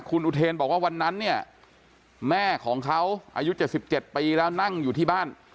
คุณอุเทนบอกว่าวันนั้นเนี่ยแม่ของเขาอายุ๗๗ปีแล้วนั่งอยู่ที่บ้าน